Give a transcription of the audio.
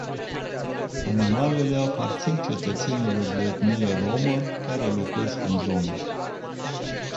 Animalele aparțin cetățenilor de etnie rromă care locuiesc în zonă.